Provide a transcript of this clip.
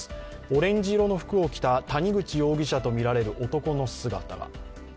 オレンジ色の服を着た谷口容疑者とみられる男の姿。